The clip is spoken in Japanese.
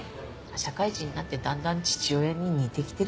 社会人になってだんだん父親に似てきてるのかも。